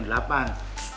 jadi papa harus sampai malam